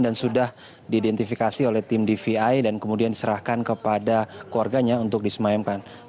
dan sudah diidentifikasi oleh tim dvi dan kemudian diserahkan kepada keluarganya untuk disemayamkan